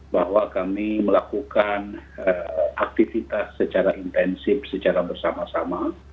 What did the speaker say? bahwa kami melakukan aktivitas secara intensif secara bersama sama